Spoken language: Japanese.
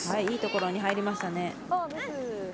いいところに入りましたね。